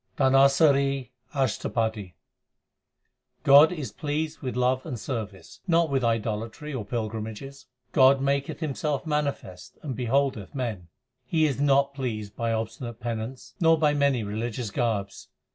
DHANASARI ASHTAPADI God is pleased with love and service, not with idolatry or pilgrimages : God maketh Himself manifest and beholdeth men. He is not pleased by obstinate penance nor by many religious garbs.